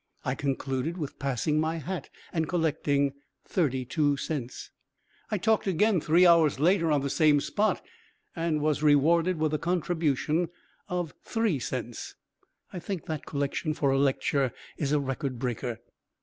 I concluded with passing my hat and collecting 32 cents. I talked again three hours later on the same spot, and was rewarded with a contribution of three cents. I think that collection for a lecture is a record breaker.